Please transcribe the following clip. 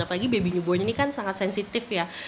apalagi baby newborn ini kan sangat sensitif ya